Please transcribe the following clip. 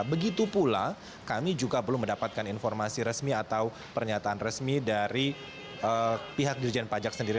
begitu pula kami juga belum mendapatkan informasi resmi atau pernyataan resmi dari pihak dirjen pajak sendiri